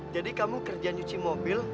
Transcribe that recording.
jadi kamu kerjaan nyuci mobil